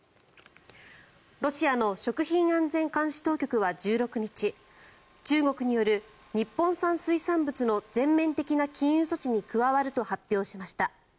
ロシアの食品安全監視当局は１６日中国による日本産水産物の全面的な禁輸措置に加わると発表しました。